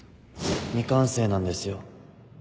未完成なんですよ